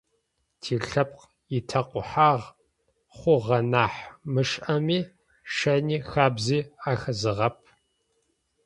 Тилъэпкъ итэкъухьагъэ хъугъэ нахь мышӏэми, шэни хабзи ахэзыгъэп.